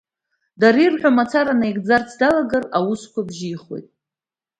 Дара иарҳәо мацара наигӡарц далагар, аусқәа бжьеихуеит.